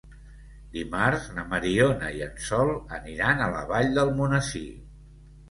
Dimarts na Mariona i en Sol aniran a la Vall d'Almonesir.